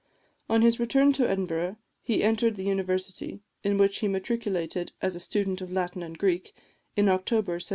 On his return to Edinburgh he entered the University, in which he matriculated as a student of Latin and Greek, in October 1793.